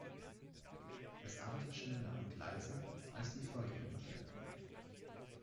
Es arbeitet schneller und leiser als die Vorgängermodelle.